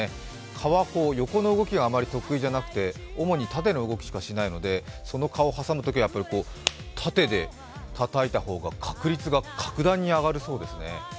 蚊は横の動きがあまり得意じゃなくて主に縦の動きしかしないので、その蚊を挟むときはやっぱり縦でたたいた方が確率がが格段に上がるそうですね。